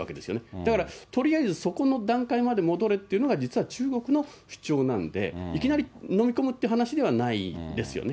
だから、とりあえずそこの段階まで戻れっていうのが実は中国の主張なんで、いきなり飲み込むっていう話ではないんですよね。